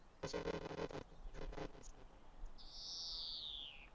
这成为龙川县被认为是今天整个河源市的历史文化源流的一个佐证。